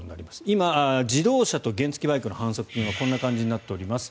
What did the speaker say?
今、自動車と原付きバイクの反則金はこうなっております。